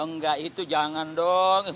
enggak itu jangan dong